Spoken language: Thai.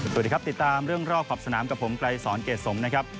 สวัสดีครับติดตามเรื่องรอบขอบสนามกับผมไกรสอนเกรดสมนะครับ